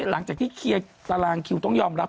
หลังจากที่เคลียร์ตารางคิวต้องยอมรับ